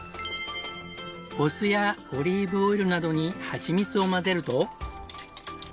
お酢やオリーブオイルなどにはちみつを混ぜると。